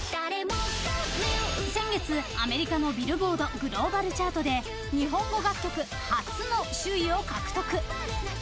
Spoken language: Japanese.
先月、アメリカのＢｉｌｌｂｏａｒｄグローバル・チャートで日本語楽曲初の首位を獲得。